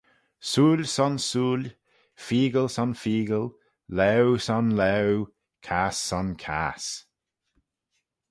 Sooill son sooill, feeackle son feeackle, laue son laue, kass son kass.